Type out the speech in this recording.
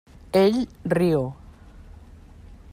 Ell riu.